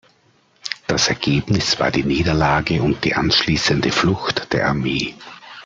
Das Ergebnis war die Niederlage und die anschließende Flucht der Armee.